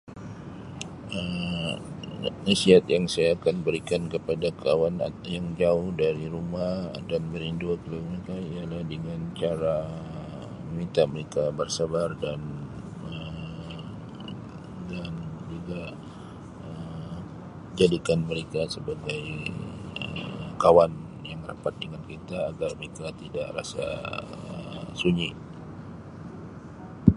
Um Nasihat yang saya akan berikan kepada kawan yang jauh dari rumah dan merindui keluarga mereka ialah dengan cara meminta mereka bersabar dan Um dan juga Um jadi kan mereka sebagai Um kawan yang rapat dengan kita agar mereka tidak rasa Um sunyi.